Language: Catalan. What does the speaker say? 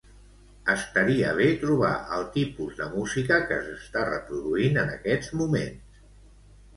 Estaria bé trobar el tipus de música que s'està reproduint en aquests moments.